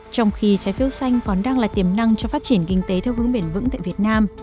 trong khi trái phiếu xanh còn đang là tiềm năng cho phát triển kinh tế theo hướng bền vững tại việt nam